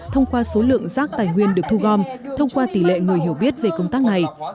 thông qua số lượng rác tài nguyên được thu gom thông qua tỷ lệ người hiểu biết về công tác này